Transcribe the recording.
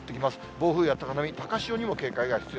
暴風や高波、高潮にも警戒が必要。